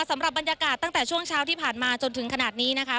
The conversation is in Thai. สำหรับบรรยากาศตั้งแต่ช่วงเช้าที่ผ่านมาจนถึงขนาดนี้นะคะ